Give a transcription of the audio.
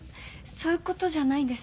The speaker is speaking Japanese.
そういうことじゃないんです。